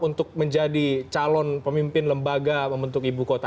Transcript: untuk menjadi calon pemimpin lembaga pembentuk ibu kota